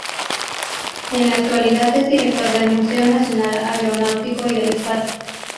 En la actualidad es Director del Museo Nacional Aeronáutico y del Espacio.